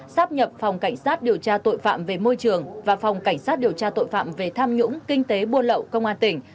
sắp nhập phòng cảnh sát điều tra tội phạm về môi trường và phòng cảnh sát điều tra tội phạm về tham nhũng kinh tế buôn lậu công an tỉnh